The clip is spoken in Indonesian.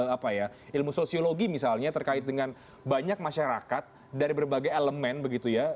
apa ya ilmu sosiologi misalnya terkait dengan banyak masyarakat dari berbagai elemen begitu ya